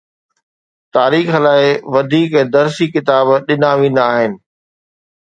تاريخ لاءِ وڌيڪ درسي ڪتاب ڏنا ويندا آهن.